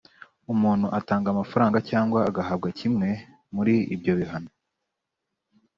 Umuntu atanga amafaranga cyangwa agahabwa kimwe muri ibyo bihano